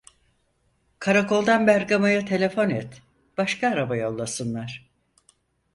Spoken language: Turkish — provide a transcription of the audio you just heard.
Karakoldan Bergama'ya telefon et, başka araba yollasınlar.